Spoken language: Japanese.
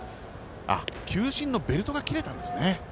球審のベルトが切れたんですね。